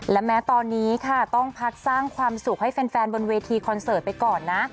และแม้ตอนนี้ค่ะต้องพักสร้างความสุขให้แฟนบนเวทีคอนเสิร์ตไปก่อนนะ